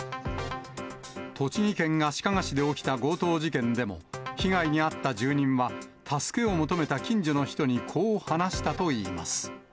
栃木県足利市で起きた強盗事件でも、被害に遭った住人は助けを求めた近所の人に、こう話したといいます。